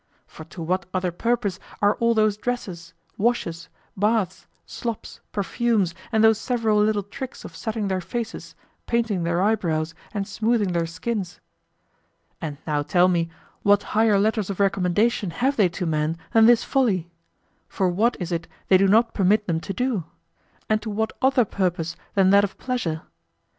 For to what other purpose are all those dresses, washes, baths, slops, perfumes, and those several little tricks of setting their faces, painting their eyebrows, and smoothing their skins? And now tell me, what higher letters of recommendation have they to men than this folly? For what is it they do not permit them to do? And to what other purpose than that of pleasure?